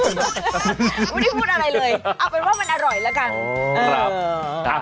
ไม่ได้พูดอะไรเลยเอาเป็นว่ามันอร่อยแล้วกัน